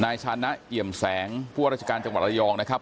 นายชานะเอี่ยมแสงผู้ราชการจังหวัดระยองนะครับ